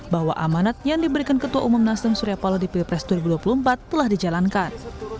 bahwa amanat yang diberikan ketua umum nasdem surya paloh di pilpres dua ribu dua puluh empat telah dijalankan